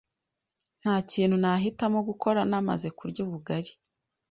nta kintu nahitamo gukora namaze kurya ubugari